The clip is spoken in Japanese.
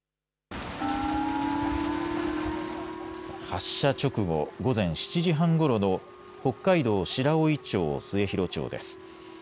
発射直後、午前７時半ごろの北海道白老町末広町です。